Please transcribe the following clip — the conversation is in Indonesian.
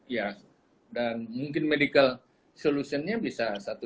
ya dan mungkin medical solution itu